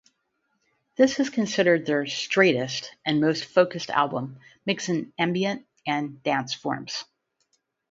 This is considered their "straightest" and most focused album, mixing ambient and dance forms.